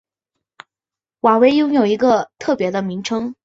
威瓦拥有一个特别的名称。